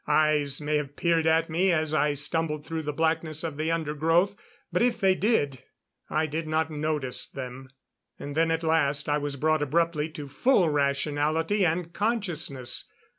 Eyes may have peered at me as I stumbled through the blackness of the undergrowth; but if they did, I did not notice them. And then at last I was brought abruptly to full rationality and consciousness.